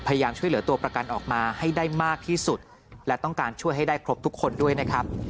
พยายามช่วยเหลือตัวประกันออกมาให้ได้มากที่สุดและต้องการช่วยให้ได้ครบทุกคนด้วยนะครับ